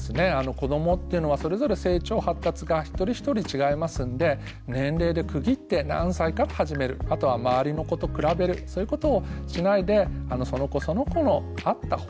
子どもっていうのはそれぞれ成長発達が一人一人違いますんで年齢で区切って何歳から始めるあとは周りの子と比べるそういうことをしないでその子その子に合った方法ですね。